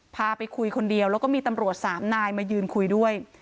พาไปคุยคนเดียวแล้วก็มีตำรวจสามนายมายืนคุยด้วย